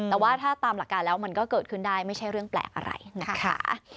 แต่ว่าถ้าตามหลักการแล้วมันก็เกิดขึ้นได้ไม่ใช่เรื่องแปลกอะไรนะคะ